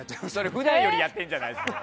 普段よりやってんじゃないですか。